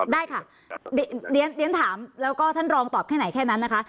ได้ค่ะเรียนถามแล้วก็ท่านรองตอบแค่ไหนแค่นั้นนะคะ